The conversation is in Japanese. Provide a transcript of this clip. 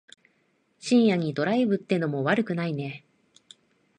深夜にドライブってのも悪くないね。